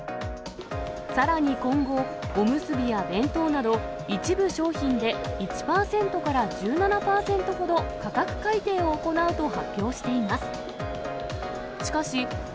さらに今後、おむすびや弁当など、一部商品で１％から１７％ほど価格改定を行うと発表しています。